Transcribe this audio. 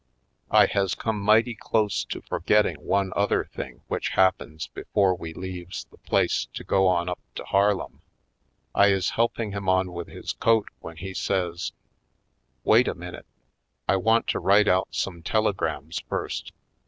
I has come mighty close to forgetting one other thing which happens before we leaves the place to go on up to Harlem. I is help ing him on with his coat when he says : "Wait a minute ! I want to write out some telegrams first.